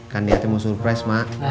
kan di hati mau surprise mak